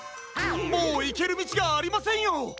もういけるみちがありませんよ！